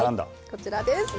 こちらです。